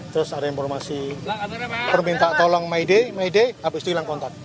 terus ada informasi permintaan tolong mayday mayday habis itu hilang kontak